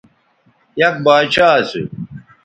یک باچھا اسو